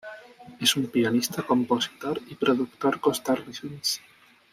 Es un pianista, compositor y productor costarricense.